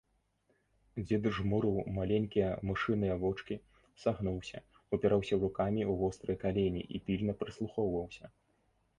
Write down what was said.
Дзед жмурыў маленькія мышыныя вочкі, сагнуўся, упіраўся рукамі ў вострыя калені і пільна прыслухоўваўся.